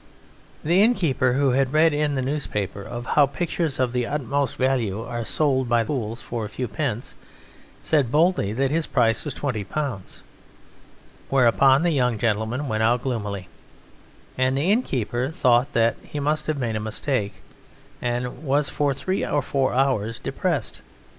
The innkeeper, who had read in the newspapers of how pictures of the utmost value are sold by fools for a few pence, said boldly that his price was twenty pounds; whereupon the young gentleman went out gloomily, and the innkeeper thought that he must have made a mistake, and was for three hours depressed.